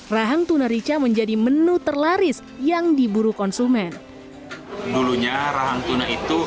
rahang tuna rica menjadi menu terlaris yang diburu konsumen